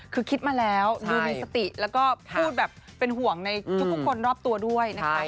คือคิดมาแล้วดูมีสติแล้วก็พูดแบบเป็นห่วงในทุกคนรอบตัวด้วยนะคะ